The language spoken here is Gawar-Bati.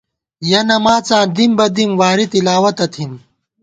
یَہ نماڅاں دِم بہ دِم ، واری تِلاوَتہ تھِم